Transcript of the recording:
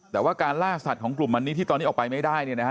แต่ว่าการล่าสัตว์ของกลุ่มมันนี้ที่ตอนนี้ออกไปไม่ได้เนี่ยนะฮะ